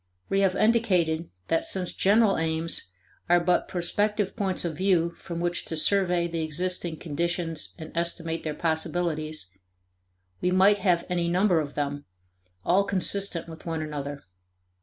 We have indicated that since general aims are but prospective points of view from which to survey the existing conditions and estimate their possibilities, we might have any number of them, all consistent with one another.